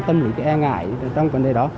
tâm lý e ngại trong vấn đề đó